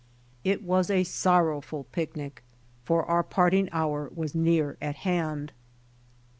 It was a sorrowful picnic, for our parting hour was near at hand.